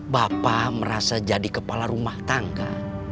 bapak merasa jadi kepala rumah tangga